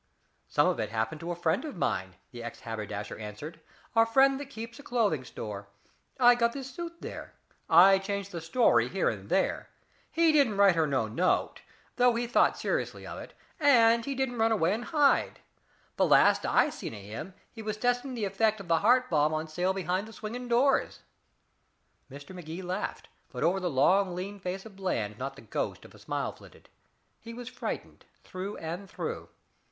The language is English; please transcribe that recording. "Some of it happened to a friend of mine," the ex haberdasher answered, "a friend that keeps a clothing store. I got this suit there. I changed the story, here and there. He didn't write her no note, though he thought seriously of it. And he didn't run away and hide. The last I seen of him he was testing the effect of the heart balm on sale behind the swinging doors." Mr. Magee laughed, but over the long lean face of Bland not the ghost of a smile flitted. He was frightened, through and through.